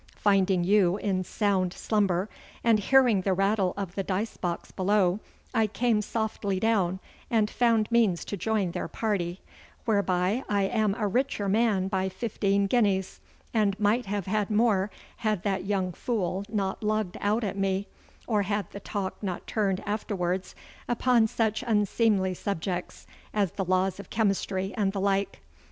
Finding you in sound slumber, and hearing the rattle of the dice box below, I came softly down and found means to join their party whereby I am a richer man by fifteen guineas, and might have had more had that young fool not lugged out at me, or had the talk not turned afterwards upon such unseemly subjects as the laws of chemistry and the like.